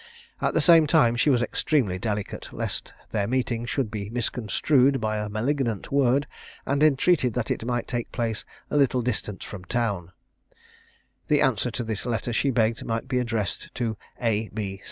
At the same time she was extremely delicate, lest their meeting should be misconstrued by a malignant world, and entreated that it might take place a little distance from town. The answer to this letter she begged might be addressed to A.